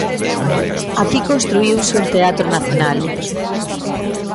Aquí construíuse un teatro nacional.